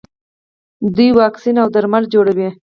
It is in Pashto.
دوی واکسین او درمل جوړوي.